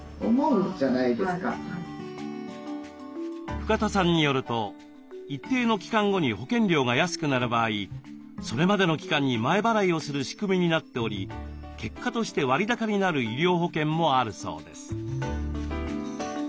深田さんによると一定の期間後に保険料が安くなる場合それまでの期間に前払いをする仕組みになっており結果として割高になる医療保険もあるそうです。